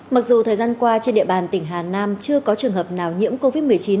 mặc dù thời gian qua trên địa bàn tỉnh hà nam chưa có trường hợp nào nhiễm covid một mươi chín